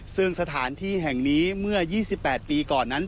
ซึ่งสถานที่แห่งนี้เมื่อ๒๘ปีก่อนนั้น